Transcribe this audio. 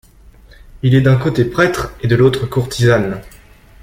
Il est d’un côté prêtre, et de l’autre courtisane.